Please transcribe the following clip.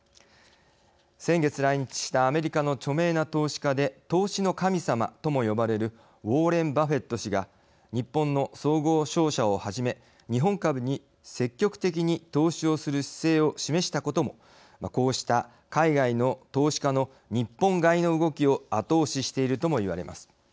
先月来日したアメリカの著名な投資家で投資の神様とも呼ばれるウォーレン・バフェット氏が日本の総合商社をはじめ日本株に積極的に投資をする姿勢を示したこともこうした海外の投資家の日本買いの動きを後押ししているとも言われます。